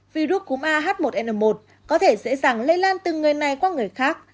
virus cúm ah một n một có thể dễ dàng lây lan từ người này qua người khác